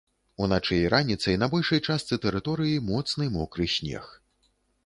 Уначы і раніцай на большай частцы тэрыторыі моцны мокры снег.